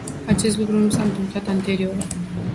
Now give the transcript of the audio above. Acest lucru nu s-a întâmplat anterior.